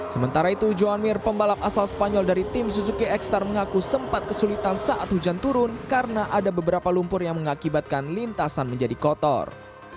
sementara itu johan mir pembalap asal spanyol dari tim suzuki x star mengaku sempat kesulitan saat hujan turun karena ada beberapa lumpur yang mengakibatkan lintasan menjadi kotor